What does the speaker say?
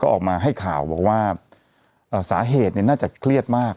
ออกมาให้ข่าวบอกว่าสาเหตุน่าจะเครียดมาก